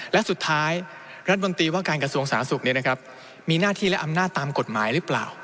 และสุดท้ายรัฐมนตรีว่าการกระทรวงสาธารณสุขมีหน้าที่และอำนาจตามกฎหมายหรือเปล่า